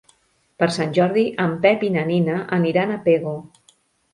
Per Sant Jordi en Pep i na Nina aniran a Pego.